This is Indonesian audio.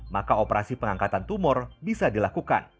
maka operasi pengangkatan tumor bisa dilakukan